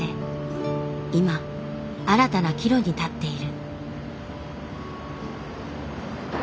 今新たな岐路に立っている。